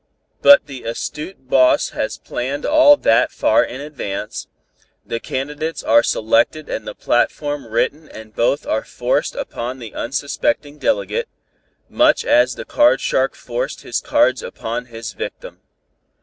But the astute boss has planned all that far in advance, the candidates are selected and the platform written and both are 'forced' upon the unsuspecting delegate, much as the card shark forced his cards upon his victim.